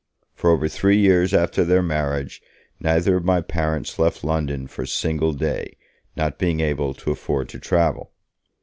For over three years after their marriage, neither of my parents left London for a single day, not being able to afford to travel.